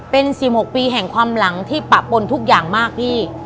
เป็น๑๖ปีแห่งความหลังที่ปะปนทุกอย่างมากพี่